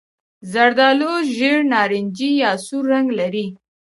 زردالو ژېړ نارنجي یا سور رنګ لري.